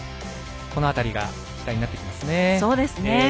この辺りが期待になってきますね。